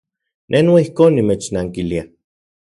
Ne noijkon nimechnankilia.